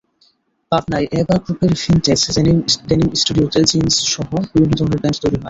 পাবনায় অ্যাবা গ্রুপের vintage denim স্টুডিওতে জিনসসহ বিভিন্ন ধরনের প্যান্ট তৈরি হয়।